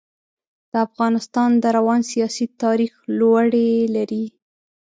د افغانستان د روان سیاسي تاریخ لوړې لري.